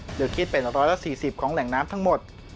หรือคิดเป็น๑๔๐ของแหล่งน้ำทั้งหมด